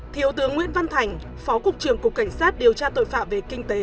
thiếu tướng nguyễn văn thành phó cục trưởng cục cảnh sát điều tra tội phạm về kinh tế